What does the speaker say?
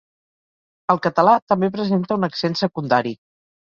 El català també presenta un accent secundari.